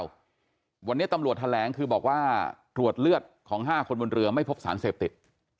วันนี้ตำรวจแถลงคือบอกว่าตรวจเลือดของ๕คนบนเรือไม่พบสารเสพติด